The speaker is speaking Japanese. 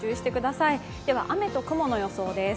雨と雲の予想です。